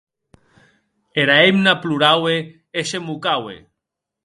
Era hemna ploraue e se mocaue.